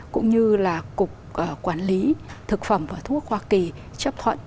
cũng như là cục quản lý thực phẩm và thuốc hoa kỳ chấp thuận